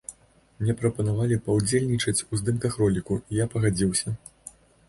Мне прапанавалі паўдзельнічаць у здымках роліку, і я пагадзіўся.